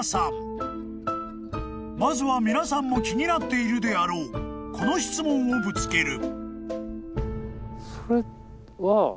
［まずは皆さんも気になっているであろうこの質問をぶつける］